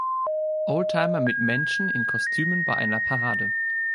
Oldtimer mit Menschen in Kostümen bei einer Parade.